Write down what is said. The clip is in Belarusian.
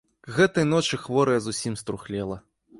К гэтай ночы хворая зусім струхлела.